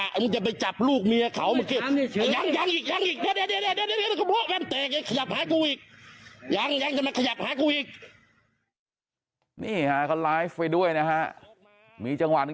กูจะมาขยับหากูอีกนี่ฮะเขาลายไปด้วยนะฮะมีจัง